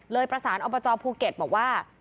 เลยประสานอบประจอบภูเก็ตบอกว่า